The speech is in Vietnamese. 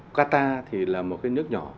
qatar thì là một cái nước nhỏ